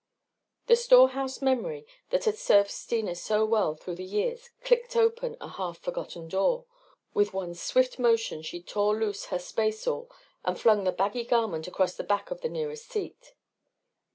The storehouse memory that had served Steena so well through the years clicked open a half forgotten door. With one swift motion she tore loose her spaceall and flung the baggy garment across the back of the nearest seat.